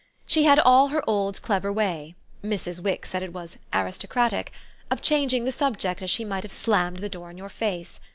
She had all her old clever way Mrs. Wix said it was "aristocratic" of changing the subject as she might have slammed the door in your face.